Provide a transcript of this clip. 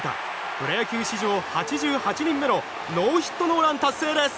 プロ野球史上８８人目のノーヒットノーラン達成です！